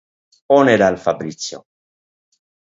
On era el Fabrizio?